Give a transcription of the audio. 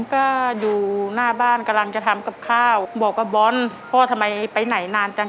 ก็อยู่หน้าบ้านกำลังจะทำกับข้าวบอกว่าบอลพ่อทำไมไปไหนนานจัง